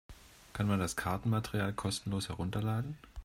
Kann man das Kartenmaterial kostenlos herunterladen?